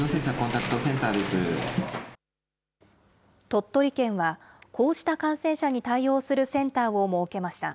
鳥取県は、こうした感染者に対応するセンターを設けました。